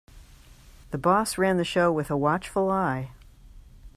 The boss ran the show with a watchful eye.